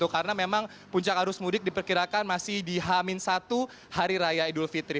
karena memang puncak arus mudik diperkirakan masih di h satu hari raya idul fitri